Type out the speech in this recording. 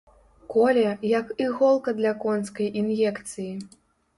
Коле, як іголка для конскай ін'екцыі.